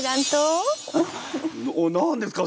え何ですか？